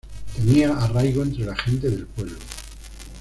Tenía arraigo entre la gente del pueblo.